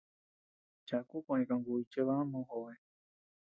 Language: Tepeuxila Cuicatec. Chaku koʼoñ kangùy chebá mojobe.